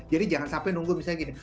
jadi jangan sampai nunggu misalnya gini